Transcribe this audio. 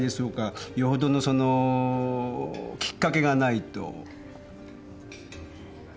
よほどのそのーきっかけがないと。